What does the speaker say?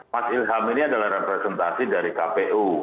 mas ilham ini adalah representasi dari kpu